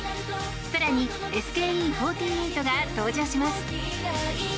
更にＳＫＥ４８が登場します。